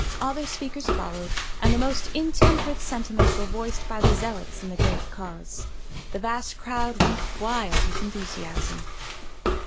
Other speakers followed, and the most intemperate sentiments were voiced by the zealots in the great cause. The vast crowd went wild with enthusiasm.